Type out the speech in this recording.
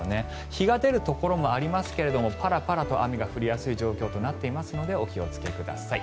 日が出るところもありますがパラパラと雨が降りやすい状況となっていますのでお気をつけください。